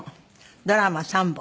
ドラマ３本。